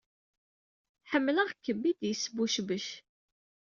Ḥemmleɣ-kem, ay d-yesbucbec.